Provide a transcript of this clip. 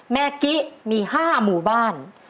แม่กิมี๕หมู่บ้าน